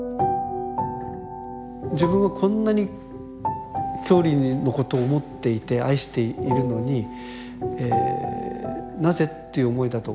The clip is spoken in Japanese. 自分はこんなに郷里のことを思っていて愛しているのになぜという思いだとか。